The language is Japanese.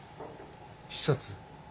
視察？